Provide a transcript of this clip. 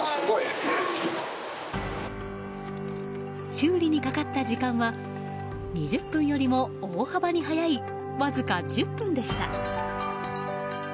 修理にかかった時間は２０分よりも大幅に速いわずか１０分でした。